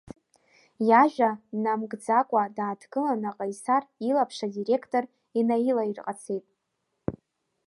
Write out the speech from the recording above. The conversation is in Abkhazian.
Иажәа намгӡакәа дааҭгыланы Ҟаисар илаԥш адиректор инаилаирҟацеит.